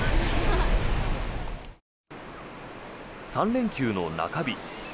３連休の中日。